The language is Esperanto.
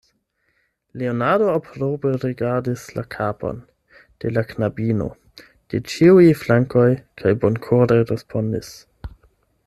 Leonardo aprobe rigardis la kapon de la knabino de ĉiuj flankoj kaj bonkore respondis: